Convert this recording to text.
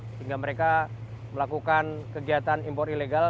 sehingga mereka melakukan kegiatan impor ilegal